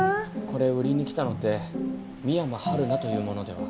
これ売りに来たのって深山春菜という者では？